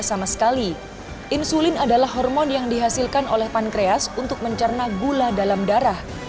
sama sekali insulin adalah hormon yang dihasilkan oleh pankreas untuk mencerna gula dalam darah